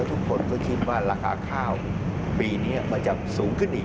ทุกคนก็คิดว่าราคาข้าวปีนี้มันจะสูงขึ้นอีก